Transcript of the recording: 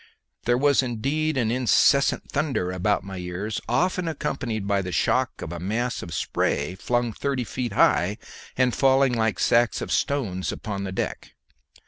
There was indeed an incessant thunder about my ears often accompanied by the shock of a mass of spray flung thirty feet high, and falling like sacks of stones upon the deck.